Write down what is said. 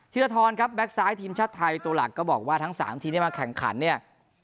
ที่ละทอนครับแบ็คซ้ายทีมชาติไทยตัวหลักก็บอกว่าทั้งสามทีนี่มาแข่งขันเนี่ย